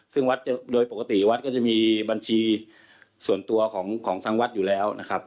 ซึ่งวัดโดยปกติวัดก็จะมีบัญชีส่วนตัวของทางวัดอยู่แล้วนะครับ